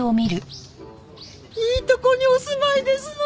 いいところにお住まいですのね！